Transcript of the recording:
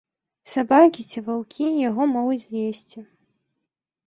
Сабакі ці ваўкі яго могуць з'есці.